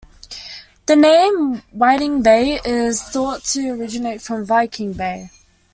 The name Whiting Bay is thought to originate from "Viking" Bay.